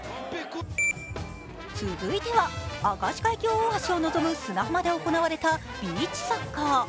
続いては、明石海峡大橋をのぞむ砂浜で行われたビーチサッカー。